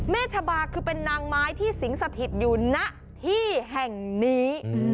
ชะบาคือเป็นนางไม้ที่สิงสถิตอยู่ณที่แห่งนี้